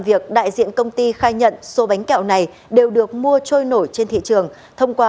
việc đại diện công ty khai nhận số bánh kẹo này đều được mua trôi nổi trên thị trường thông qua